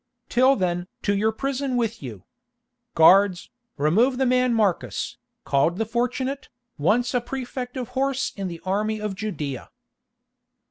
Till then to your prison with you. Guards, remove the man Marcus, called the Fortunate, once a Prefect of Horse in the army of Judæa."